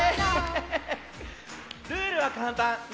ルールはかんたん。